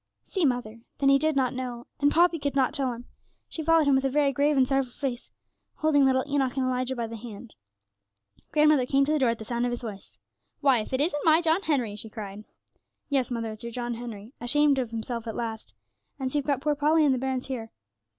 See mother! Then he did not know. And Poppy could not tell him. She followed him with a very grave and sorrowful face, holding little Enoch and Elijah by the hand. Grandmother came to the door at the sound of his voice. 'Why, if it isn't my John Henry!' she cried. 'Yes, mother, it's your John Henry, ashamed of himself at last. And so you've got poor Polly and the bairns here.